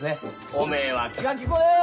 おめえは気が利くなあ。